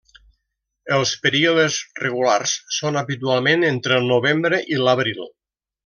Els períodes regulars són habitualment entre el novembre i l'abril.